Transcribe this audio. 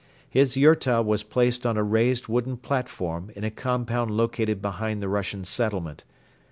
His yurta was placed on a raised wooden platform in a compound located behind the Russian settlement.